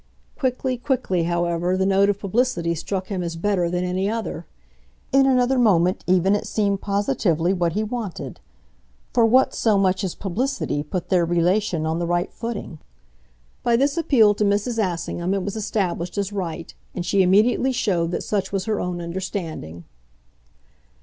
Quickly, quickly, however, the note of publicity struck him as better than any other. In another moment even it seemed positively what he wanted; for what so much as publicity put their relation on the right footing? By this appeal to Mrs. Assingham it was established as right, and she immediately showed that such was her own understanding.